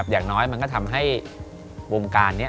อย่างน้อยมันก็ทำให้วงการนี้